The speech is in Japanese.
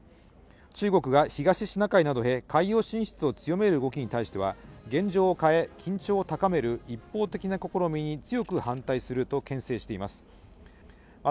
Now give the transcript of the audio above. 中国が東シナ海などへ海洋進出を強める動きに対しては現状を変え、緊張を高める一方的な試みに強く反対すると牽制しています。